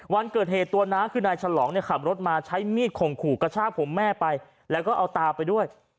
วันเกิดเหตุตัวน้าคือนายฉลองเนี่ยขับรถมาใช้มีดข่มขู่กระชากผมแม่ไปแล้วก็เอาตาไปด้วย